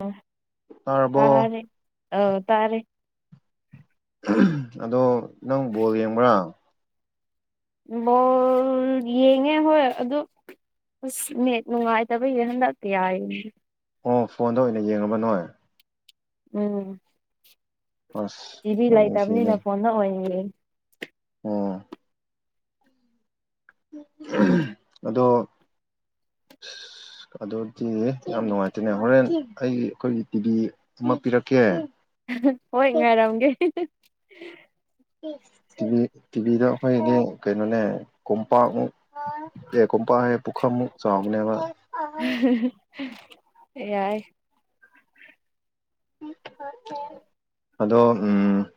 ꯎꯝ ꯇꯥꯔꯕꯣ ꯇꯥꯔꯦ ꯑ ꯇꯥꯔꯦ ꯑꯗꯣ ꯅꯪ ꯕꯣꯜ ꯌꯦꯡꯕ꯭ꯔꯥ ꯕꯣꯜ ꯌꯦꯡꯉꯦ ꯍꯣꯏ ꯑꯗꯨ ꯑꯁ ꯅꯦꯠ ꯅꯨꯡꯉꯥꯏꯇꯕꯩꯒꯤ ꯍꯟꯗꯛꯇꯤ ꯌꯥꯏꯅꯦ ꯑꯣ ꯐꯣꯟꯗꯣ ꯑꯣꯏꯅ ꯌꯦꯡꯉꯕ ꯅꯣꯏ ꯎꯝ ꯑꯁ ꯇꯤ ꯚꯤ ꯌꯥꯝ ꯅꯨꯡꯁꯤꯅꯦ ꯂꯩꯇꯕꯅꯤꯅ ꯐꯣꯟꯗ ꯑꯣꯏꯅꯤꯡꯌꯦ ꯑꯣ ꯑꯗꯣ [inaudible] ꯑ ꯑꯗꯨꯗꯤ ꯌꯥꯝ ꯅꯨꯡꯉꯥꯏꯇꯦꯅꯦ ꯍꯣꯔꯦꯟ ꯑꯩ ꯑꯩꯈꯣꯏꯒꯤ ꯇꯤꯚ ꯑꯃ ꯄꯤꯔꯛꯀꯦ ꯍꯣꯏ ꯉꯥꯏꯔꯝꯒꯦ ꯇꯤꯚꯤ ꯇꯤꯚꯤꯗ ꯑꯩꯈꯣꯏꯗꯤ ꯀꯩꯅꯣꯅꯦ ꯀꯣꯝꯄꯥꯛꯃꯨꯛ ꯑꯦ ꯀꯣꯨꯝꯄꯥ ꯍꯦ ꯄꯨꯈꯥ ꯑꯃꯨꯛ ꯆꯥꯎꯕꯅꯦꯕ ꯌꯥꯏ ꯑꯗꯣ ꯎꯝ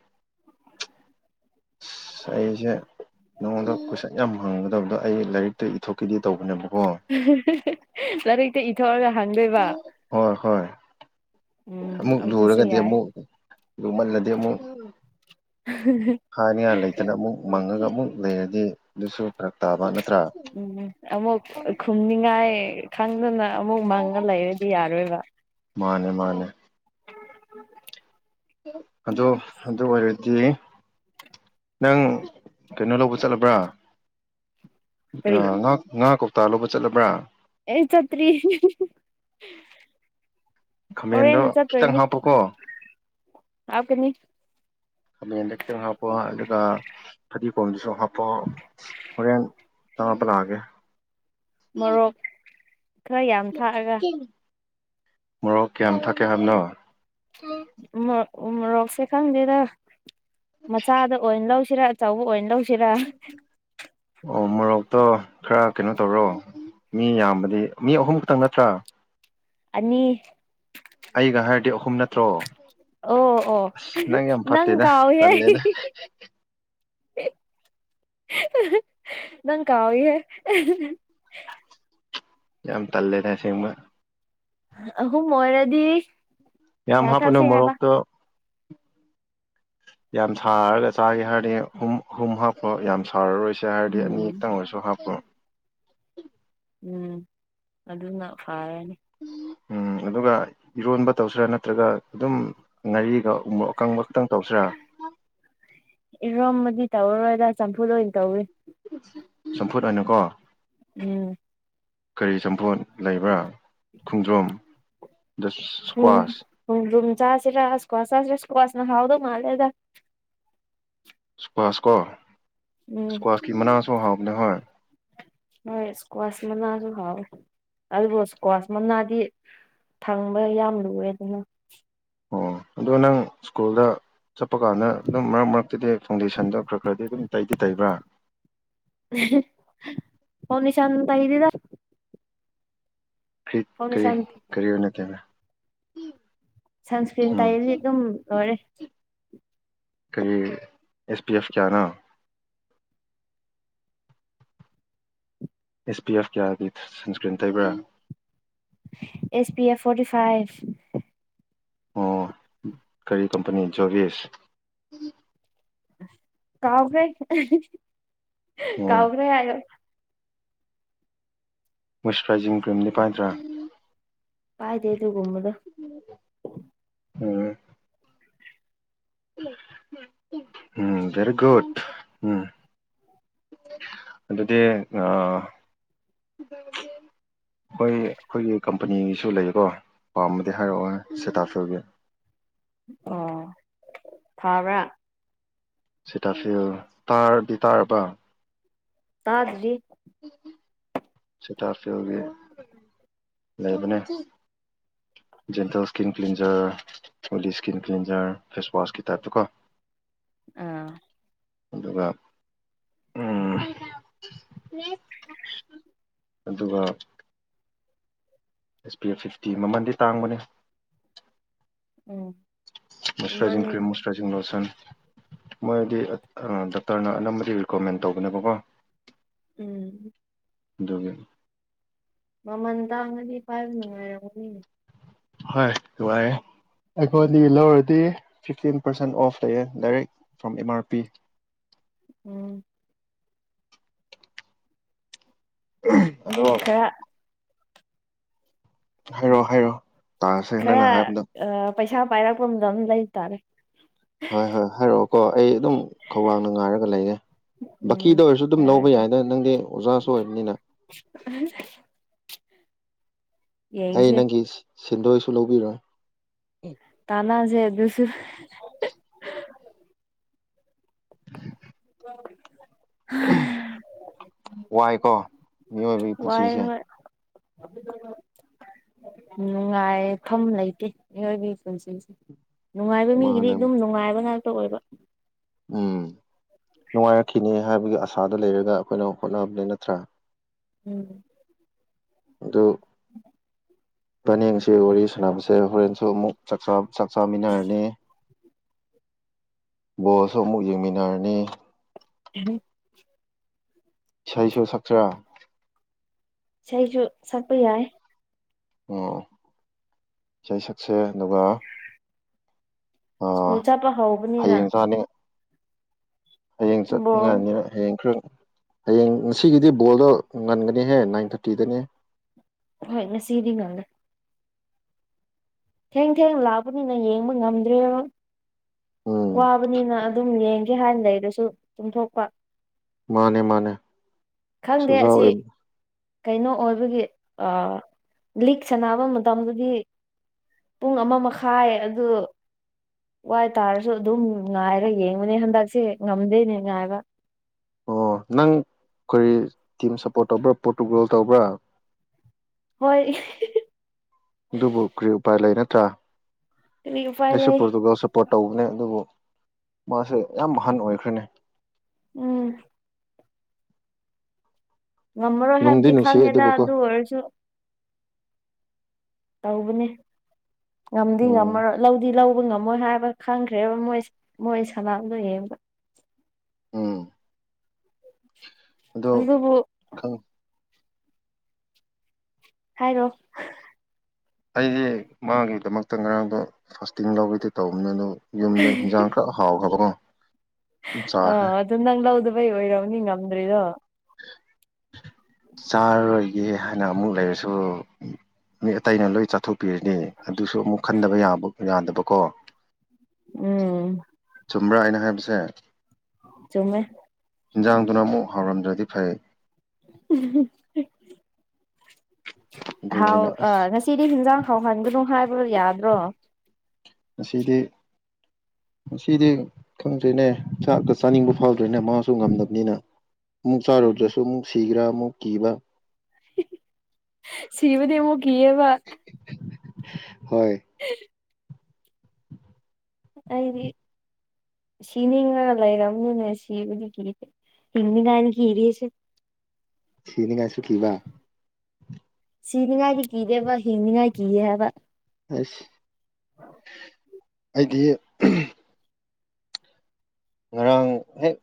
ꯑꯁ ꯑꯩꯁꯦ ꯅꯉꯣꯟꯗ ꯀꯣꯏꯁꯛ ꯌꯥꯝ ꯍꯪꯒꯗ ꯑꯗꯨꯗꯣ ꯑꯩ ꯂꯥꯏꯔꯤꯛꯇ ꯏꯊꯣꯛꯈꯤꯗꯦ ꯇꯧꯕꯅꯦꯕꯀꯣ ꯂꯥꯏꯔꯤꯛꯇ ꯏꯊꯧꯔꯒ ꯍꯥꯡꯗꯣꯏꯕ ꯍꯣꯏ ꯍꯣꯏ ꯎꯝ ꯑꯃꯨꯛ ꯑꯗꯨꯁꯨ ꯂꯨꯔꯒꯗꯤ ꯌꯥꯏ ꯑꯃꯨꯛ ꯂꯨꯝꯃꯜꯂꯗꯤ ꯑꯃꯨꯛ ꯍꯥꯏꯅꯤꯉꯥꯟ ꯂꯩꯇꯅ ꯑꯃꯨꯛ ꯃꯪꯉꯒ ꯑꯃꯨꯛ ꯂꯩꯔꯗꯤ ꯑꯗꯨꯁꯨ ꯐꯔꯛ ꯇꯥꯕ ꯅꯠꯇ꯭ꯔꯥ ꯎꯝ ꯑꯃꯨꯛ ꯈꯨꯝꯅꯤꯡꯉꯥꯏ ꯈꯪꯗꯅ ꯑꯃꯨꯛ ꯃꯪꯉ ꯂꯩꯔꯗꯤ ꯌꯥꯔꯣꯏꯕ ꯃꯥꯅꯦ ꯃꯥꯅꯦ [inaudible] ꯑꯗꯨ ꯑꯗꯨ ꯑꯣꯏꯔꯗꯤ ꯅꯪ ꯀꯩꯅꯣ ꯂꯧꯕ ꯆꯠꯂꯕ꯭ꯔꯥ ꯀꯔꯤ ꯉ ꯉꯥ ꯀ ꯇꯥꯂꯣꯕ ꯆꯠꯂꯕ꯭ꯔꯥ ꯑꯦ ꯆꯠꯇ꯭ꯔꯤ ꯈꯥꯃꯦꯟꯗꯣ ꯍꯦꯅ ꯆꯠ ꯈꯤꯇꯪ ꯏꯅꯤ ꯍꯥꯞꯄꯣꯀꯣ ꯍꯧ ꯀꯅꯤ꫰ ꯈꯥꯃꯦꯟꯗ ꯈꯤꯇꯪ ꯍꯥꯞꯄꯣ ꯑꯗꯨꯒ ꯐꯗꯤꯒꯣꯝꯗꯁꯨ ꯍꯥꯞꯄꯣ ꯍ ꯀ ꯇꯄꯂ ꯀ ꯃꯣꯔꯣꯛ ꯈꯔ ꯌꯥꯝ ꯊꯥꯛꯑꯒ ꯃꯣꯔꯣꯛ ꯀꯌꯥꯝ ꯊꯛꯀꯦ ꯍꯥꯏꯕꯅꯣ ꯣꯔꯣꯛ ꯃꯣꯔꯣꯛꯁꯦ ꯈꯪꯗꯦꯗ ꯃꯆꯥꯗ ꯑꯣꯏꯅ ꯂꯧꯁꯤꯔꯥ ꯑꯆꯧꯕ ꯑꯣꯏꯅ ꯂꯧꯁꯤꯔꯥ ꯍꯦꯔ ꯑꯣ ꯃꯣꯔꯣꯛꯇꯣ ꯈꯔ ꯀꯩꯅꯣ ꯇꯧꯔꯣ ꯃꯤ ꯌꯥꯝꯕꯗꯤ ꯃꯤ ꯑꯍꯨꯝ ꯈꯛꯇꯪ ꯅꯠꯇ꯭ꯔꯥ ꯑꯅꯤ ꯑꯩꯒ ꯍꯥꯏꯔꯗꯤ ꯑꯍꯨꯝ ꯅꯠꯇ꯭ꯔꯣ ꯑꯣ ꯑꯣ ꯑꯁ ꯌꯥꯝ ꯅꯪ ꯐꯠꯇꯦꯗ ꯀꯥꯎꯋꯤꯍꯦ ꯇꯜꯂꯦꯗ ꯅꯪ ꯀꯥꯎꯋꯤꯍꯦ ꯌꯥꯝ ꯇꯜꯂꯦꯗ ꯑꯁꯦꯡꯕ ꯑꯍꯨꯝ ꯑꫭꯏꯔꯗꯤ ꯌꯥꯝ ꯍꯥꯞꯄꯨꯅꯨ ꯃꯣꯔꯣꯛꯇꫭ ꯌꯥꯝ ꯁꯥꯔꯒ ꯆꯥꯒꯦ ꯍꯥꯏꯔꯗꯤ ꯑꯨꯝ ꯑꯍꯨꯝ ꯍꯥꯞꯄꫭ ꯌꯥꯝ ꯁꯥꯔꯔꯣꯏꯁꯤ ꯆꯥꯔꯗꯤ ꯎꯝ ꯑꯅꯤꯈꯛꯇꯪ ꯑꯣꯏꯔꯁꯨ ꯍꯥꯞꯄꫭ ꯎꯝ ꯑꯗꯨꯅ ꯐꯔꯅꯤ ꯎꯝ ꯑꯗꯨꯒ ꯏꯔꯣꯟꯕ ꯇꯧꯁꯤꯔꯥ ꯅꯠꯇ꯭ꯔꯒ ꯑꯗꯨꯝ ꯉꯥꯔꯤꯒ ꯎꯃꯣꯛ ꯑꯀꯪꯕ ꯈꯛꯇꯪ ꯇꯧꯁꯤꯔꯥ ꯏꯔꯣꯝꯕꯗꯤ ꯇꯧꯔꯔꯣꯏꯗ ꯆꯝꯐꯨꯠ ꯑꯣꯏꯅ ꯇꯧꯋꯦ ꯆꯝꯐꯨꯠ ꯑꯣꯏꯅꯀꯣ ꯎꯝ ꯀꯔꯤ ꯆꯝꯐꯣꯠ ꯂꯩꯕ꯭ꯔꯥ ꯈꯣꯡꯗ꯭ꯔꯨꯝ ꯗꯁ꯭ꯀ꯭ꯋꯥꯁ ꯈꫭꯡꯗꯔꯨꯝ ꯆꯥꯥꯁꯤꯔ ꯏꯁꯀꯋꯥꯁ ꯆꯥꯥꯁꯤꯔ ꯏꯁꯀꯋꯥꯁꯅ ꯍꯥꯎꯗꯧ ꯃꯥꯜꯂꯦꯗ ꯏꯁꯀ꯭ꯋꯥꯁ ꯀꯣ ꯎꯝ ꯏꯁꯀ꯭ꯋꯥꯁꯀꯤ ꯃꯅꯥꯁꯨ ꯍꯥꯎꯕꯅꯦ ꯍꯣꯏ ꯍꯣꯏ ꯏꯁꯀ꯭ꯋꯥꯁ ꯃꯅꯥꯁꯨ ꯍꯥꯎꯋꯦ ꯑꯗꯨꯕꯨ ꯏꯁꯀ꯭ꯋꯥꯁ ꯃꯅꯥꯗꯤ ꯊꯪꯕ ꯌꯥꯝ ꯂꯨꯋꯦ ꯑꯗꯨꯅ ꯑꯣ ꯑꯗꯣ ꯅꯪ ꯏꯁ꯭ꯀꯨꯜꯗ ꯆꯠꯄ ꯀꯥꯟꯗ ꯑꯗꯨꯝ ꯃꯔꯛ ꯃꯔꯛꯇꯗꯤ ꯐꯥꯎꯟꯗꯦꯁꯟꯗꯣ ꯈꯔ ꯈꯔꯗꯤ ꯑꯗꯨꯝ ꯇꯩꯗꯤ ꯇꯩꯕ꯭ꯔꯥ ꯐꯥꯎꯟꯗꯦꯁꯟ ꯇꯩꯗꯦꯗ ꯐꯤ ꯀꯔꯤ ꯐꯥꯎꯟꯗꯦꯁꯟ ꯀꯔꯤ ꯑꫭꯏꯅ ꯇꯩꯕ ꯁꯟꯁꯀ꯭ꯔꯤꯟ ꯇꯩꯗꯤ ꯑꯗꯨꯝ ꯂꯣꯏꯔꯦ ꯀꯔꯤ ꯑꯦꯁ ꯄꯤ ꯑꯦꯐ ꯀꯌꯥꯅꫭ ꯑꯦꯁ ꯄꯤ ꯑꯦꯐ ꯀꯌꯥꯒꯤ ꯁꯟꯁꯀ꯭ꯔꯤꯟ ꯇꯩꯕ꯭ꯔꯥ S P F forty five ꯑꯣ ꯀꯔꯤ ꯀꯝꯄꯅꯤ ꯖꯣꯔꯤꯁ ꯀꯥꯎꯒ꯭ꯔꯦ ꯑꯣ ꯀꯥꯎꯒ꯭ꯔꯦ ꯍꯥꯏꯔ ꯃꯣꯏꯆꯔꯥꯏꯖꯤꯡ ꯀ꯭ꯔꯤꯝ ꯗꯤꯄꯥꯏꯗ꯭ꯔꯥ ꯄꯥꯏꯗꯦ ꯑꯗꯨꯒꯨꯝꯕꯗꫭ ꯎꯝ ꯎꯝ ꯚꯦꯔꯤꯒꯨꯠ ꯎꯝ ꯑꯗꯨꯗꯤ ꯑ ꯍꯣꯏ ꯑꯩꯈꯣꯏꯒꯤ ꯀꯝꯄꯅꯤꯒꯤꯁꯨ ꯂꯩꯀꯣ ꯄꯥꯝꯕꯃꯗꯤ ꯍꯥꯏꯔꯛꯑꯣ ꯁꯦꯇꯥꯁꯨꯔꯒꯤ ꯑꯣ ꯐꯥꯕ꯭ꯔꯥ ꯁꯤꯇꯁꯨꯔ ꯇꯥꯗꯤ ꯇꯥꯔꯕꯥ ꯇꯥꯗ꯭ꯔꯤ ꯁꯤꯇꯥꯁꯨꯔꯒꯤ ꯂꯩꯕꯅꯦ ꯖꯦꯟꯇꯜ ꯁ꯭ꯀꯤꯟ ꯀ꯭ꯂꯤꯟꯖꯔ ꯍꯂꯤ ꯁ꯭ꯀꯤꯟ ꯀ꯭ꯂꯤꯟꯖꯔ ꯐꯦꯁꯋꯥꯁꯀꯤ ꯇꯥꯏꯞꯇ ꯀꯣ ꯑꯥ ꯑꯗꯨꯒ ꯎꯝ ꯑꯗꯨꯒ ꯑꯦꯁ ꯄꯤ ꯑꯦꯐ ꯐꯤꯐꯇꯤ ꯃꯃꯜꯗꯤ ꯇꯥꯡꯕꯅꯦ ꯎꯝ ꯃꯣꯏꯁꯔꯖꯤꯡ ꯃꯃꯜ ꯀ꯭ꯔꯤꯝ ꯃꯣꯏꯁꯔꯖꯤꯡ ꯂꯣꯁꯟ ꯃꯣꯏꯗꯤ ꯑ ꯗꯣꯛꯇꯔꯅ ꯑꯅꯝꯕꯗꯤ ꯔꯤꯀꯃꯦꯟ ꯇꯧꯕꯅꯦꯕꯀꯣ ꯎꯝ ꯑꯗꯨꯒꯤ ꯃꯃꯜ ꯇꯥꯡꯉꯗꯤ ꯄꯥꯏꯕ ꯅꯨꯡꯉꯥꯏꯔꯒꯅꯤꯅꯦ ꯍꯣꯏꯕꯥꯔꯦ ꯑꯩꯈꯣꯏꯗꯤ ꯂꯧꯔꯗꯤ ꯐꯤꯐꯇꯤꯟ ꯄꯥꯔꯁꯦꯟ ꯑꯣꯐ ꯂꯩꯌꯦ direct from M R P ꯎꯝ ꯑꯗꯣ ꯇ ꯍꯥꯏꯔꯛꯑꯣ ꯍꯥꯏꯔꯛꯑꯣ ꯈꯔ ꯄꯩꯁꯥ ꯄꯥꯏꯔꯛꯄ ꯑꯗꯝ ꯂꯩꯇꯥꯔꯦ ꯍꯣꯏ ꯍꯣꯏ ꯍꯥꯏꯔꯛꯑꯣꯀꯣ ꯑꯩ ꯑꯗꯨꯝ ꯈꯧꯔꯥꯡꯅ ꯉꯥꯏꯔꯒ ꯂꯩꯒꯦ ꯕꯀꯤꯗ ꯎꯝ ꯑꯣꯏꯔꯁꯨ ꯑꯗꯨꯝ ꯂꯧꯕ ꯍꯥꯏꯔꯛꯀꯦ ꯌꯥꯏꯅ ꯅꯪꯗꯤ ꯑꯣꯖꯥꯁꯨ ꯑꯣꯏꯕꯅꯤꯅ ꯑ ꯑꯩ ꯌꯦꯡꯁꯦ ꯅꯪꯒꯤ ꯁꯤꯦꯟꯗꯣꯏꯁꯨ ꯂꯧꯕꯤꯔꯣꯏ ꯇꯥꯟꯁꯦ ꯑꯗꯨꯁꯨ [unintelligible] ꯋꯥꯏ ꯀꯣ ꯋꯥꯏ ꯍꯣꯏ ꯅꯨꯡꯉꯥꯏꯐꯝꯝ ꯂꯩꯇꯦ ꯃꯤꯑꯣꯏꯕꯒꯤ ꯄꯨꯟꯁꯤꯡꯁꯦ ꯅꯨꯡꯉꯥꯏꯕ ꯃꯤꯒꯤꯗꯤ ꯃꯥꯅꯦ ꯑꯗꯨꯝ ꯅꯨꯡꯉꯥꯏꯕ ꯉꯥꯛꯇ ꯑꯣꯏꯕ ꯎꯝ ꯅꯨꯡꯉꯥꯏꯔꯛꯈꯤꯅꯤ ꯍꯥꯏꯕꯒꯤ ꯑꯁꯥꯗ ꯂꯩꯔꯒ ꯑꯩꯈꯣꯏꯅ ꯍꯣꯠꯅꯕꯅꯦ ꯅꯠꯇ꯭ꯔꯥ ꯎꯝ ꯑꯣ ꯎꯝ ꯐꯅꯦꯡꯁꯤ ꯋꯥꯔꯤ ꯁꯥꯟꯅꯕꯁꯦ ꯍꯣꯔꯦꯟꯁꯨ ꯑꯃꯨꯛ ꯆꯥꯛ ꯆꯃꯤꯟꯅꯔꯅꯤ ꯕꯣꯜꯁꯨ ꯑꯃꯨꯛ ꯌꯦꯡꯃꯤꯟꯅꯔꯅꯤ ꯎꯝ ꯏꯁꯩꯁꯨ ꯁꯛꯆꯔꯥ ꯏꯁꯩꯁꯨ ꯁꯛꯄ ꯌꯥꯏ ꯑꯣ ꯏꯁꯩ ꯁꯛꯁꯦ ꯑꯗꯨꯒ ꯁ꯭ꯀꯨꯜ ꯆꯠꯄ ꯍꯧꯕꯅꯤꯅ ꯍꯌꯦꯡ ꯆꯥꯅꯤ ꯍꯌꯦꯡ ꯕꯣꯜ ꯆꯠꯅꯤꯡꯉꯥꯏꯅꯤꯅ ꯍꯌꯦꯡ ꯈꯔ ꯍꯌꯦꯡ ꯉꯁꯤꯒꯤꯗꯤ ꯕꯣꯜꯗꯣ ꯉꯟꯒꯅꯤꯍꯦ ꯅꯥꯏꯟ ꯊꯥꯔꯇꯤꯗꯅꯦ ꯍꯣꯏ ꯉꯁꯤꯗꯤ ꯉꯗ ꯊꯦꯡ ꯊꯦꯡ ꯂꯥꯛꯕꯅꯤꯅ ꯌꯦꯡꯕ ꯉꯝꯗ꯭ꯔꯦ ꯎꯝ ꯋꯥꯕꯅꯤꯅ ꯑꯗꯨꯝ ꯌꯦꯡꯒꯦ ꯍꯥꯟꯅ ꯂꯩꯔꯁꯨ ꯇꯨꯝꯊꯣꯛꯄ ꯃꯥꯅꯦ ꯃꯥꯅꯦ ꯈꯪꯗꯦ ꯁꯨꯖꯥ ꯑꯣꯏꯕ ꯑꯁꯤ ꯀꯩꯅꯣ ꯑꯣꯏꯕꯒꯤ ꯑ ꯂꯤꯛ ꯁꯥꯟꯅꯕ ꯃꯇꯝꯗꯗꯤ ꯄꯨꯡ ꯑꯃ ꯃꯈꯥꯏ ꯑꯗꯨ ꯋꯥꯏ ꯇꯥꯔꯁꯨ ꯑꯗꯨꯝ ꯉꯥꯏꯔ ꯌꯦꯡꯕꯅꯦ ꯍꯟꯗꯛꯁꯦ ꯉꯝꯗꯦꯅꯦ ꯉꯥꯏꯕ ꯑꯣ ꯅꯪ ꯑꯩꯈꯣꯏ ꯇꯤꯝ ꯁꯞꯄꯣꯔꯠ ꯇꯧꯕ꯭ꯔꯥ ꯄ꯭ꯔꯣꯇꯨꯒꯣꯜ ꯇꯧꯕ꯭ꯔꯥ ꯍꯣꯏ ꯑꯗꯨꯕꯨ ꯀꯔꯤ ꯎꯄꯥꯏ ꯂꯩ ꯅꯠꯇ꯭ꯔꯥ ꯀꯔꯤ ꯎꯄꯥꯏ ꯑꯩꯁꯨ ꯂꯩ ꯄꯣꯔꯇꯨꯒꯜ ꯄꯣꯔꯠ ꯇꯧꯕꯅꯦ ꯑꯗꯨꯕꯨ ꯃꯥꯁꯦ ꯌꯥꯝ ꯑꯍꯟ ꯑꯣꯏꯈ꯭ꯔ‌ꯦꯅ‌ꯦ ꯎꯝ ꯉꯝꯃꯔꯣꯏ ꯅꯨꯡꯗꯤ ꯍꯥꯏꯕꯗꯤ ꯅꯨꯡꯁꯤ ꯈꯪꯉꯦꯗ ꯑꯗꯨꯕꯨꯀꯣ ꯑꯗꯨ ꯑꯣꯏꯔꯁꯨ ꯇꯧꯕꯅꯦ ꯉꯝꯗꯤ ꯎꯝ ꯉꯝꯃꯔꯣꯏ ꯂꯧꯗꯤ ꯂꯧꯕ ꯉ ꯃꯣꯏ ꯍꯥꯏꯕ ꯈꯪꯈ꯭ꯔꯦꯕ ꯃꯣꯏ ꯃꯣꯏ ꯁꯥꯅꯕꯗꫭ ꯌꯦꯡꯕ ꯎꯝ ꯑꯗꯣ ꯑꯗꯨꯕꯨ ꯈꯪ ꯍꯥꯏꯔꯣ ꯑꯩꯁꯦ ꯃꯥꯒꯤꯗꯃꯛꯇ ꯉꯔꯥꯡꯗꯣ ꯐꯥꯁꯇꯤꯡ ꯂꯧꯒꯗꯤ ꯇꯧꯕꯅꯦ ꯑꯗꯣ ꯌꯨꯝꯗ ꯍꯤꯟꯖꯥꯡ ꯈꯔ ꯍꯥꯎ ꯈꯔꯕꯀꯣ ꯑ ꯑꯗꯨꯝ ꯅꯪ ꯂꯧꯗꯕꯩ ꯑꯣꯏꯔꯧꯅꯤ ꯉꯝꯗ꯭ꯔꯤꯗꯣ ꯆꯥꯔꯣꯏꯒꯦ ꯍꯥꯏꯅ ꯑꯃꯨꯛ ꯂꯩꯔꯁꯨ ꯃꯤ ꯑꯇꯩꯅ ꯂꯣꯏ ꯆꯥꯊꯣꯛ ꯄꯤꯔꯅꯤ ꯑꯗꯨꯁꯨ ꯑꯃꯨꯛ ꯈꯟꯗꯕ ꯌꯥ ꯌꯥꯗꯕꯀꯣ ꯎꯝ ꯆꯨꯝꯕ꯭ꯔꯥ ꯑꯩꯅ ꯍꯥꯏꯕꯁꯦ ꯆꯨꯝꯃꯦ ꯏꯟꯖꯥꯡꯗꯨꯅ ꯑꯃꯨꯛ ꯍꯥꯎꯔꯝꯗ꯭ꯔꯗꯤ ꯐꯩ ꯑꯗꯨꯒꯤ ꯍꯥꯎ ꯑꯩꯅ ꯑꯁ ꯑ ꯁꯤꯗꯤ ꯍꯤꯟꯖꯥꯡ ꯍꯥꯎꯍꯟꯒꯅꯨ ꯍꯥꯏꯕ ꯌꯥꯗ꯭ꯔꯣ ꯉꯁꯤꯗꯤ ꯉꯗꯤ ꯈꯪꯗ꯭ꯔꯦꯅꯦ ꯆꯥꯛꯇ ꯆꯥꯅꯤꯡꯕ ꯐꯥꯎꯗ꯭ꯔꯦꯅꯦ ꯃꯥꯁꯨ ꯉꯝꯗꯕꯅꯤꯅ ꯑꯃꯨꯛ ꯆꯥꯔꯨꯗ꯭ꯔꯁꯨ ꯑꯃꯨꯛ ꯁꯤꯈ꯭ꯔꯥ ꯑꯃꯨꯛ ꯀꯤꯕ ꯁꯤꯕꯗꯤ ꯃꯨꯛ ꯀꯑꯕ ꯍꯣꯏ ꯑꯦ ꯑꯩꯗꯤ ꯁꯤꯅꯤꯉꯔ ꯂꯩꯔꯝꯅꯤꯅꯦ ꯁꯤꯕꯨꯗꯤ ꯀꯤꯔꯦ ꯍꯤꯡꯅꯤꯡꯉꯥꯏꯅ ꯀꯤꯔꯤꯁꯦ ꯁꯤꯅꯤ ꯉꯥꯏꯁꯨ ꯀꯤꯕ ꯁꯤꯅꯤꯡꯉꯥꯏꯗꯤ ꯀꯤꯗ‌ꯦꯕ ꯍꯤꯡꯅꯤꯡꯉꯥꯏ ꯀꯤꯑ ꯍꯥꯏꯕ ꯑꯁ ꯑꯩꯗꯤ ꯉꯔꯥꯡ ꯍꯦꯛ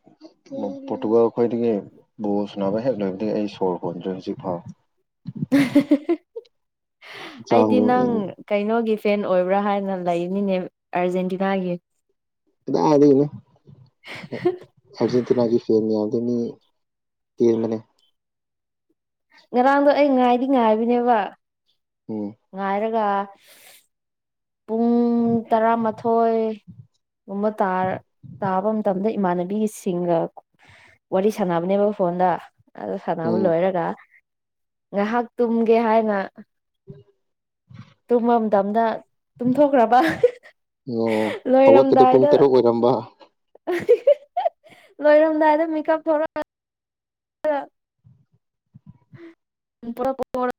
ꯄꯣꯔꯇꯨꯒꯥꯜ ꯈꯈꯣꯏꯗꯒꯤ ꯕꯣ ꯁꯨꯅꯕ ꯍꯦꯛ ꯂꯣꯏꯕꯗꯒꯤ ꯑꯩ ꯁꯣꯔ ꯍꯣꯟꯗ꯭ꯔꯦ ꯍꯧꯖꯤꯛ ꯐꯥꯎ ꯑꯩꯗꯤ ꯍꯛꯆꯥꯡꯗꯣ ꯅꯪ ꯎꯝ ꯀꯩꯅꯣꯒꯤ ꯐꯦꯟ ꯑꯣꯏꯕ꯭ꯔꯥ ꯍꯥꯏꯅ ꯂꯩꯅꯤꯅꯦ ꯑꯥꯔꯖꯦꯟꯇꯤꯅꯥꯒꯤ ꯀꯗꯥꯏꯗꯩꯔꯥ ꯑꯔꯖꯦꯟꯇꯤꯅꯥꯒꯤ ꯐꯦꯔꯅꯤ ꯌꯥꯗ ꯃꯤ ꯇꯝꯃꯅꯦ ꯉꯔꯥꯡꯗꯣ ꯑꯩ ꯉꯥꯏꯗꯤ ꯉꯥꯏꯕꯅꯦꯕ ꯎꯝ ꯉꯥꯏꯔꯒ ꯄꯨꯡ ꯇꯔꯥꯃꯊꯣꯏ ꯒꯨꯝꯕ ꯇꯥ ꯇꯥꯕ ꯃꯇꯝꯗ ꯏꯃꯥꯟꯅꯕꯤꯒꯤꯁꯤꯡꯒ ꯋꯥꯔꯤ ꯁꯥꯟꯅꯕꯅꯦꯕ ꯐꯣꯟꯗ ꯑꯗꯨ ꯁꯥꯟꯅꯕ ꯎꯝ ꯂꯣꯏꯔꯒ ꯉꯥꯏꯍꯥꯛ ꯇꯨꯝꯒꯦ ꯍꯥꯏꯅ [inaudible] ꯇꯨꯝꯃꯝꯗꯝꯅ ꯇꯨꯝꯊꯣꯛꯈ꯭ꯔꯕ ꯑꯣ ꯍꯧꯒꯠꯄꯗꯣ ꯄꯨꯡ ꯂꯣꯏꯔꯝꯗꯥꯏꯗ ꯇꯔꯨꯛ ꯑꯣꯏꯔꯝꯕ ꯂꯣꯏꯔꯝꯗꯥꯏꯗ ꯃꯤꯀꯞ ꯊꯔꯛ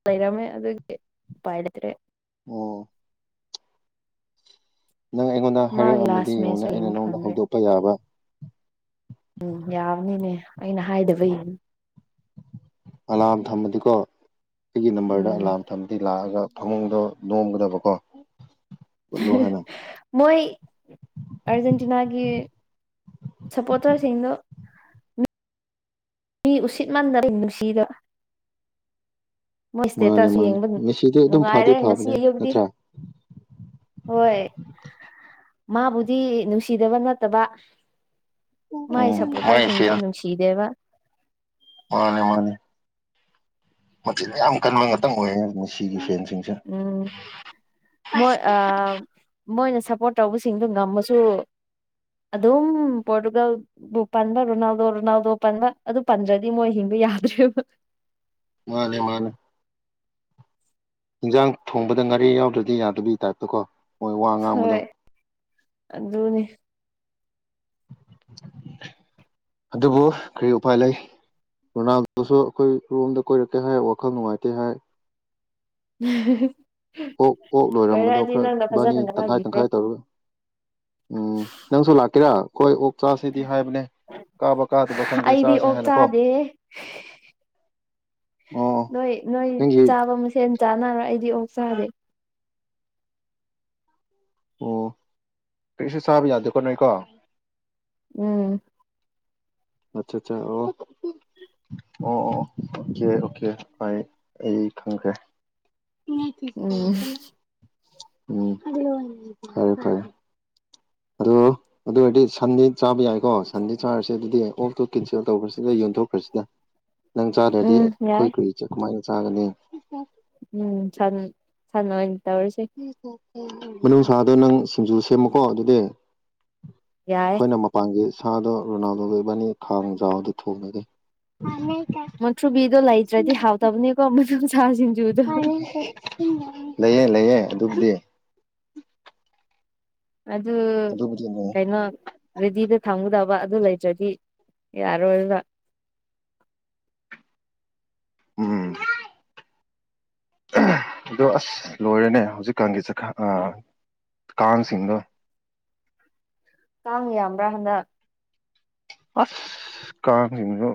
ꯃꯄꯔꯃꯦ ꯑ ꯄꯥꯏꯇꯔꯦ [unintelligible] ꯑꯣ ꯅꯪ ꯑꯩꯉꯣꯟꯗ ꯃꯥꯒꯤ ꯍꯥꯏꯔꯛꯑꯃꯗꯤ ꯂꯥꯁ ꯌꯦꯡꯉꯣꯅꯦ ꯃꯦꯠꯁꯁꯨ ꯑꯩꯅ ꯌꯦꯡꯕ ꯅꯪꯟꯗ ꯐꯪꯗ꯭ꯔꯦ ꯍꯧꯗꯣꯛꯄ ꯌꯥꯕ ꯎꯝ ꯌꯥꯕꯅꯤꯅꯦ ꯑꯩꯅ ꯍꯥꯏꯗꯕꯒꯤ ꯑꯂꯥꯔꯝ ꯊꯝꯃꯗꯤꯀꯣ ꯑꯩꯒꯤ ꯅꯝꯕꯔꯗ ꯎꯝ ꯑꯂꯥꯝ ꯃꯇꯝꯝꯗꯤ ꯂꯥꯛꯑꯒ ꯐꯃꯨꯡꯗꯣ ꯅꯣꯝꯒꯗꯕꯀꯣ ꯎꯠꯂꯣ ꯍꯥꯏꯅ ꯃꯣꯏ ꯑꯔꯖꯦꯟꯇꯤꯅꯥꯒꯤ ꯁꯄꯣꯇ꯭ꯔꯥ ꯁꯤꯗ ꯃꯤ ꯎꯁꯤꯠ ꯃꯥꯟꯗꯔ ꯅꯨꯡꯁꯤꯗ ꯃꯣꯏ ꯃꯥꯅꯦ ꯏꯁꯇꯦꯇꯁꯨ ꯃꯥꯅꯦ ꯌꯦꯡꯕ ꯃꯦꯁꯤꯗꯤ ꯑꯗꯨꯝ ꯐꯗꯤ ꯅꯨꯡꯉꯥꯏꯔꯦ ꯉꯁꯤ ꯐꯕꯅꯦ ꯑꯌꯨꯛꯇꯀꯤ ꯅꯠꯇ꯭ꯔꯥ ꯍꯣꯏ ꯃꯥꯕꯨꯗꯤ ꯅꯨꯡꯁꯤꯗꯕ ꯅꯠꯇꯕ ꯃꯥꯏ ꯎꯝ ꯁꯄꯣꯇꯔꯁꯤꯡꯗꯣ ꯐꯦꯟ ꯅꯨꯡꯁꯤꯗꯦꯕ ꯃꯥꯅꯦ ꯃꯥꯅꯦ ꯃꯆꯤꯟ ꯌꯥꯝ ꯀꯟꯕ ꯉꯥꯛꯇꯪ ꯑꯣꯏꯌꯦ ꯃꯤꯁꯤꯒꯤ ꯐꯦꯟꯁꯤꯡꯁꯦ ꯎꯝ ꯃꯣꯏ ꯃꯣꯏꯅ ꯁꯞꯄꯣꯔꯠ ꯇꯧꯕꯁꯤꯡꯗꯣ ꯉꯝꯃꯁꯨ ꯑꯗꯝ ꯄꯣꯔꯔꯇꯨꯒꯜ ꯕꯨ ꯄꯟꯕ ꯔꯣꯅꯥꯜꯗꯣ ꯔꯣꯅꯥꯜꯗꯣ ꯄꯟꯕ ꯑꯗꯨ ꯄꯟꯗ꯭ꯔꯗꯤ ꯃꯣꯏ ꯍꯤꯡꯕ ꯌꯥꯗ꯭ꯔꯦꯕ ꯃꯥꯅꯦ ꯃꯥꯅꯦ ꯏꯟꯖꯥꯡ ꯊꯣꯡꯕꯗ ꯉꯥꯔꯤ ꯌꯥꯎꯗ꯭ꯔꯗꯤ ꯌꯥꯗꯕꯩ ꯇꯥꯏꯞꯇ ꯀꯣ ꯃꯣꯏ ꯋꯥ ꯉꯥꯡꯕꯗꯣ ꯑꯗꯨꯅꯤ [unintelligible] ꯑꯗꯨꯕꯨ ꯀꯔꯤ ꯎꯄꯥꯏ ꯂꯩ ꯔꯣꯅꯥꯜꯗꯣꯁꯨ ꯑꯩꯈꯣꯏ ꯔꯣꯝꯗ ꯀꯣꯏꯔꯛꯀꯦ ꯍꯥꯏ ꯋꯥꯈꯜ ꯅꯨꯡꯉꯥꯏꯇꯦ ꯍꯥꯏ ꯎꯝ [unintelligible] ꯑꯣꯛ ꯑꯣꯛ ꯂꯣꯏꯔꯝꯕꯗꯣ ꯈꯔ ꯏꯕꯥꯅꯤ ꯐꯖꯅ ꯇꯪꯈꯥꯏ ꯉꯥꯡꯕꯤꯈ꯭ꯔꯣ ꯇꯪꯈꯥꯏ ꯇꯧꯔꯒ ꯎꯝ ꯅꯪꯁꯨ ꯂꯥꯛꯀꯦꯔꯥ ꯑꯩꯈꯣꯏ ꯑꫭꯛ ꯆꯥꯁꯤꯗꯤ ꯍꯥꯏꯕꯅꯦ ꯀꯥꯕ ꯀꯥꯗꯕ ꯈꯪꯗꯦ ꯑꯩꯗꯤ ꯆꯥꯁꯦ ꯑꯣꯛ ꯍꯥꯏꯅ ꯀꯣ ꯆꯥꯗꯦ ꯑꯣ ꯅꯣꯏ ꯅꯣꯏ ꯅꯪꯒꯤ ꯆꯥꯕ ꯃꯁꯦꯟ ꯆꯥꯅꯔꯣꯏ ꯑꯩꯗꯤ ꯑꯣꯛ ꯆꯥꯗꯦ ꯑꯣ ꯀꯔꯤꯁꯨ ꯆꯥꯕ ꯌꯥꯗꯦꯀꫭ ꯅꯣꯏꯀꯣ ꯎꯝ ꯑꯠꯆꯠꯆꯥ ꯑꯣ ꯑꯣ ꯑꯣ ꯑꯣꯀꯦ ꯑꯣꯀꯦ ꯑꯩ ꯑꯩ ꯈꯪꯈ꯭ꯔꯦ ꯎꯝ ꯎꯝ ꯈꯔꯦ ꯐꯔꯦ [unintelligible] ꯑꯗꯨ ꯑꯗꯨ ꯑꯣꯏꯔꯗꯤ ꯁꯟꯗꯤ ꯆꯥꯕ ꯌꯥꯏꯀꯣ ꯁꯟꯗꯤ ꯆꯥꯔꯁꯦ ꯑꯗꯨꯗꯤ ꯑꯣꯛ ꯇꯨ ꯀꯦꯟꯁꯦꯜ ꯇꯧꯈ꯭ꯔꯁꯤꯗ ꯌꯣꯟꯊꯣꯛꯈ꯭ꯔꯁꯤꯗ ꯅꯪ ꯆꯥꯗ꯭ꯔꯗꯤ ꯎꯝ ꯑꯩꯈꫭꯏ ꯌꯥꯏ ꯀ꯭ꯔꯨꯏ [unintelligible] ꯁꯤ ꯀꯨꯃꯥꯏ ꯆꯒꯅꯤ ꯎꯝ ꯁꯟ ꯑꫭꯏ ꯁꯟ ꯑꯣꯏ ꯇꯧꯔꯁꯤ ꯃꯅꯨꯡꯁꯥꯗꯣ ꯅꯪ ꯁꯤꯡꯖꯨ ꯁꯦꯝꯃꯨꯀꯣ ꯑꯗꯨꯗꯤ ꯌꯥꯏ ꯑꯩꯈꯣꯏꯅ ꯃ ꯃꯄꯥꯟꯒꯤ ꯁꯥꯗꯣ ꯔꯣꯅꯥꯜꯗꯣꯒ ꯏꯕꯥꯅꯤ ꯈꯥꯡꯖꯥꯎꯗ ꯊꯣꯡꯂꯒꯦ ꯑ [unintelligible] ꯃꯨꯛꯊ꯭ꯔꯨꯕꯤꯗꯣ ꯂꯩꯇ꯭ꯔꯗꯤ ꯍꯥꯎꯇꯕꯅꯤꯀꯣ ꯃꯅꯨꯡ ꯁꯥꯁꯤ ꯂꯩꯌꯦ ꯂꯩꯌꯦ ꯑꯗꯨꯕꯨꯗꯤ ꯑꯗꯨ ꯑꯗꯨꯕꯨꯗꯤ ꯂꯩꯌꯦ ꯀꯩꯅꯣ ꯔꯦꯗꯤꯗ ꯊꯝꯒꯨꯗꯕ ꯑꯗꯨ ꯂꯩꯇ꯭ꯔꯗꯤ ꯌꯥꯔꯣꯏꯕ ꯎꯝ ꯑꯗꯣ ꯑꯁ ꯂꯣꯏꯔꯦꯅꯦ ꯍꯧꯖꯤꯛꯀꯥꯟꯒꯤ ꯆꯠ ꯑꯥ ꯀꯥꯡ ꯁꯤꯡꯗꫭ ꯀꯥꯡ ꯌꯥꯝꯕ꯭ꯔꯥ ꯍꯟꯗꯛ ꯑꯁ ꯀꯥꯡꯁꯤꯡꯁꯨ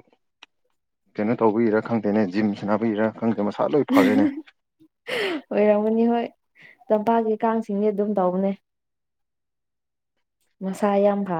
ꯀꯩꯅꯣ ꯇꯧꯕꯔꯥ ꯈꯪꯗꯦꯅꯦ ꯖꯤꯝꯁꯥꯟꯅꯕꯩꯔꯥ ꯀꯟꯒ ꯃꯁꯥ ꯂꯣꯏ ꯐꯔꯦꯅꯦ ꯑꯣꯏꯔꯝꯒꯅꯤ ꯍꯣꯏ ꯇꯝꯄꯥꯛꯀꯤ ꯀꯥꯡꯁꯤꯡꯗꯤ ꯑꯗꯨꯝ ꯇꯧꯕꯅꯦ ꯃꯁꯥ ꯌꯥꯝꯒ